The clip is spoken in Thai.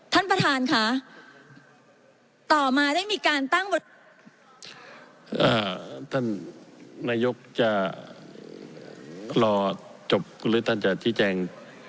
ท่านประธานค่ะต่อมาได้มีการตั้งท่านนายกจะรอจบหรือท่านจะชี้แจง